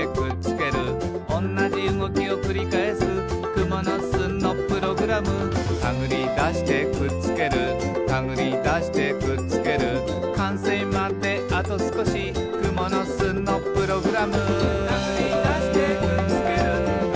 「くものすのプログラム」「たぐりだしてくっつけるたぐりだしてくっつける」「かんせいまであとすこしくものすのプログラム」「たぐりだしてくっつけるたぐりだしてくっつける」